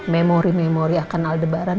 memori memori akan al debaran